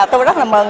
tôi rất là mừng